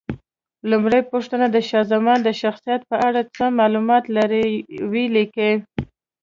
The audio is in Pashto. لومړۍ پوښتنه: د شاه زمان د شخصیت په اړه څه معلومات لرئ؟ ویې لیکئ.